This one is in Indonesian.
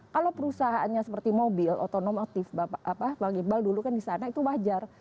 kalau perusahaannya seperti mobil otonom aktif bagi bang ibal dulu kan disana itu wajar